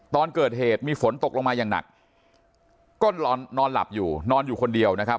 ตอนเกิดเหตุมีฝนตกลงมาอย่างหนักก็นอนหลับอยู่นอนอยู่คนเดียวนะครับ